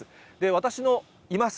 私のいます